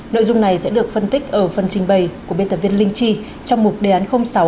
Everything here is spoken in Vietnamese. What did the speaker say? nội dung này sẽ được phân tích ở phần trình bày của biên tập viên linh chi trong mục đề án sáu